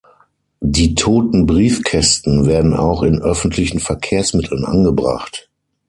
Die toten Briefkästen werden auch in öffentlichen Verkehrsmitteln angebracht.